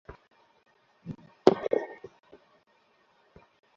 এমনিতেই পুরো রাস্তা বাসে দাঁড়িয়ে আসতে হয়েছে, তার ওপর ছিল ভাপসা গরম।